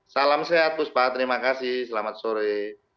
salam sehat bu sba terima kasih selamat sore